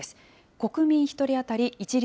国民１人当たり一律